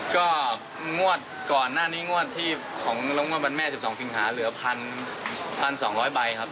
ก็งวดก่อนหน้านี้งวดที่ของลงงวดวันแม่๑๒สิงหาเหลือ๑๒๐๐ใบครับ